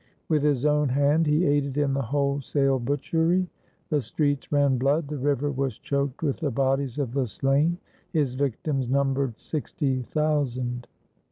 With his own hand he aided in the wholesale butchery. The streets ran blood, the river was choked with the bodies of the slain. His victims numbered sixty thousand.